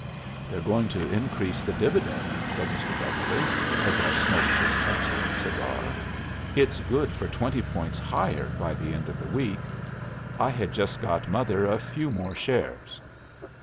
"'They're going to increase the dividend,' said Mr. Beverly, as I smoked his excellent cigar. 'It's good for twenty points higher by the end of the week. I had just got mother a few more shares.